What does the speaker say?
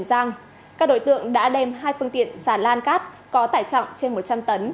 lợi dụng đêm khuya